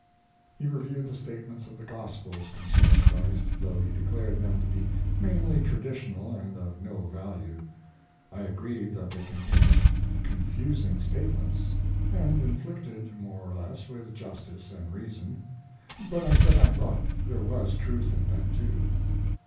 He reviewed the statements of the Gospels concerning Christ, though he declared them to be mainly traditional and of no value. I agreed that they contained confusing statements, and inflicted more or less with justice and reason; but I said I thought there was truth in them, too.